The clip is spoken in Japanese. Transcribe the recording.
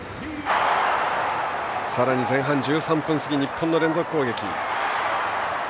さらに前半１３分過ぎ日本の連続攻撃。